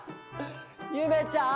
ゆめちゃん！